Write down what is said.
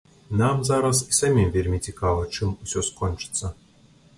Нам зараз і самім вельмі цікава, чым усё скончыцца.